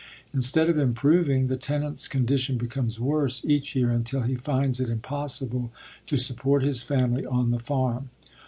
Instead of improving, the tenant's condition becomes worse each year until he finds it impossible to support his family on the farm.